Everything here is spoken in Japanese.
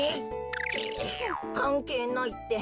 「かんけいない」って。